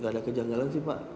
gak ada kejanggalan sih pak